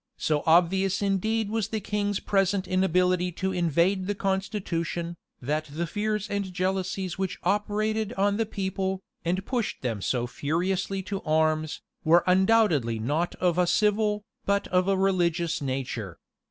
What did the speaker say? So obvious indeed was the king's present inability to invade the constitution, that the fears and jealousies which operated on the people, and pushed them so furiously to arms, were undoubtedly not of a civil, but of a religious nature.